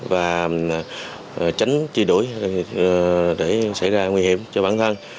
và tránh truy đuổi để xảy ra nguy hiểm cho bản thân